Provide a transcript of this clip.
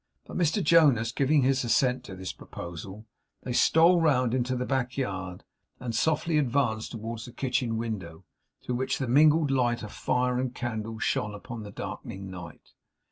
But Mr Jonas giving his assent to this proposal, they stole round into the back yard, and softly advanced towards the kitchen window, through which the mingled light of fire and candle shone upon the darkening night.